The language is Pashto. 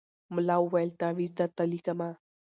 ملا وویل تعویذ درته لیکمه